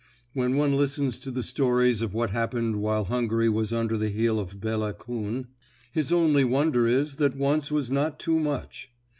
When one listens to the stories of what happened while Hungary was under the heel of Bela Kuhn, his only wonder is that once was not too much.